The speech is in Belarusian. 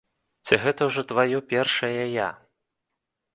Ці гэта ўжо тваё першае я?